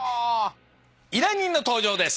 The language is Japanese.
依頼人の登場です。